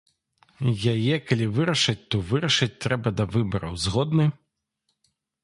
Яе калі вырашаць, то вырашаць трэба да выбараў, згодны?